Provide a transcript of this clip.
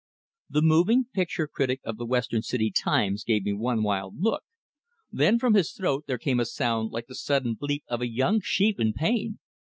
The moving picture critic of the Western City "Times" gave me one wild look; then from his throat there came a sound like the sudden bleat of a young sheep in pain.